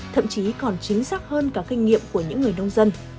thậm chí còn chính xác hơn cả kinh nghiệm của những người nông dân